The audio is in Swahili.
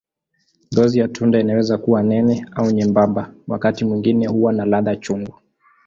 Ngozi ya tunda inaweza kuwa nene au nyembamba, wakati mwingine huwa na ladha chungu.